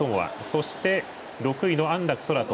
そして、６位の安楽宙斗。